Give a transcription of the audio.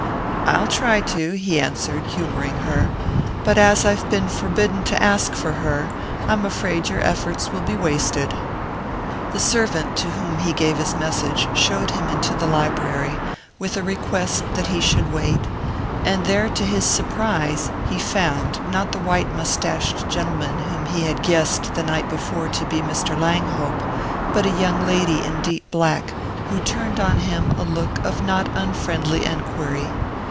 "I'll try to," he answered, humouring her, "but as I've been forbidden to ask for her, I am afraid your efforts will be wasted." The servant to whom he gave his message showed him into the library, with a request that he should wait; and there, to his surprise, he found, not the white moustached gentleman whom he had guessed the night before to be Mr. Langhope, but a young lady in deep black, who turned on him a look of not unfriendly enquiry.